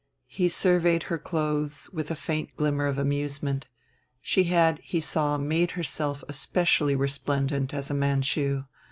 He surveyed her clothes with a faint glimmer of amusement. She had, he saw, made herself especially resplendent as a Manchu.